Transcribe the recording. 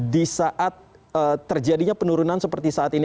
di saat terjadinya penurunan seperti saat ini